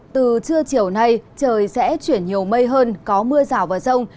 từ trưa chiều nay trời sẽ chuyển nhiều mây hơn có mưa rào và rông